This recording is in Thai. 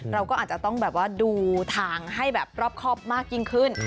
เราก็อาจจะต้องแบบว่าดูทางให้แบบรอบครอบมากยิ่งขึ้น